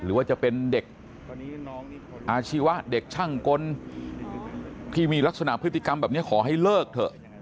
หรือว่าจะเป็นเด็กอาชีวะเด็กช่างกลที่มีลักษณะพฤติกรรมแบบนี้ขอให้เลิกเถอะ